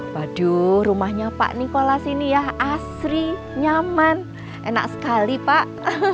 waduh rumahnya pak nikolas ini yah asri nyaman enak sekali pak